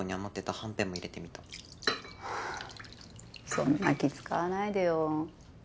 そんな気使わないでよ。